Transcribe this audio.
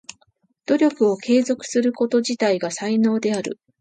努力を継続すること自体が才能である。